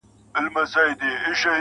چي چي زړه وي تر هغو درپسې ژاړم,